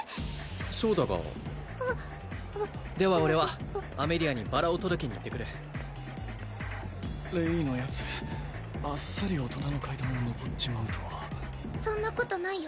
そうだがはわはわわわわでは俺はアメリアにバラを届けに行ってくるレイのヤツあっさり大人の階段を上っちまうとはそんなことないよ